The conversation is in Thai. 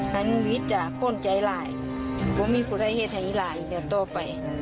หันวิทย์จะโค่นใจหลายว่ามีผู้ใดเหตุให้หลายจะโตไป